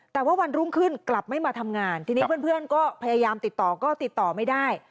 แต่ว่าวันรุ่งขึ้นกลับไม่มาทำงานทีนี้เพื่อนก็พยายามติดต่อก็ติดต่อไม่ได้